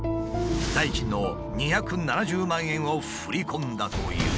代金の２７０万円を振り込んだという。